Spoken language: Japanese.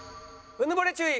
うぬぼれ注意！